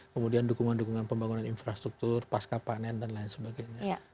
kemudian dukungan dukungan pembangunan infrastruktur pasca panen dan lain sebagainya